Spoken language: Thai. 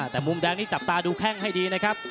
แต่มุมแดงนี้จับตาดูแข้งให้ดีนะครับ